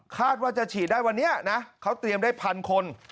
คาดว่าจะฉีดได้วันนี้นะเขาเตรียมได้พันคน